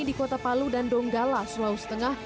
di kota palu dan donggala sulawesi tengah